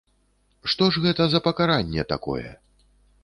Што ж гэта за пакаранне такое?